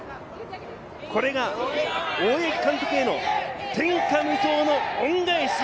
これが大八木監督への天下無双の恩返し。